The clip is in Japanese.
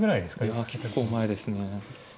いや結構前ですね。